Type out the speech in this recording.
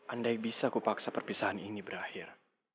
andai bisa ku paksa perpisahan ini berakhir